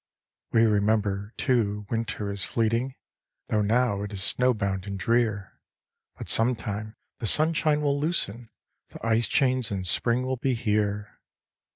"We remember, too, winter is fleeting, Though now it is snow bound and drear; But sometime the sunshine will loosen The ice chains and spring will be here.